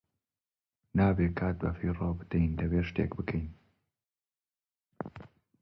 نابێت کات بەفیڕۆ بدەین - دەبێت شتێک بکەین!